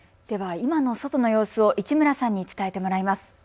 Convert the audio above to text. では今の外の様子を市村さんに伝えてもらいます。